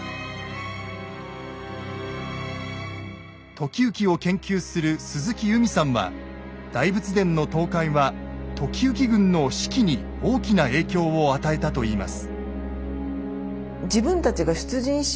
時行を研究する鈴木由美さんは大仏殿の倒壊は時行軍の士気に大きな影響を与えたといいます。